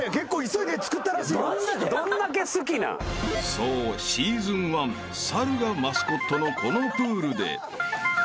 ［そうシーズン１猿がマスコットのこのプールで］